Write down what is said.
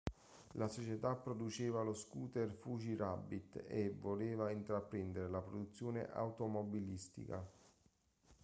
La società produceva lo scooter Fuji Rabbit e voleva intraprendere la produzione automobilistica.